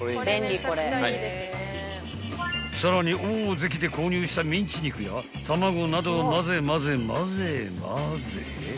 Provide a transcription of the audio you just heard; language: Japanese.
［さらにオオゼキで購入したミンチ肉や卵などをまぜまぜまぜまぜ］